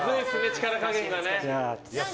力加減が。